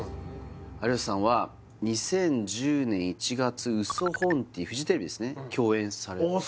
有吉さんは２０１０年１月「ウソホンティ」フジテレビですね共演されてますああ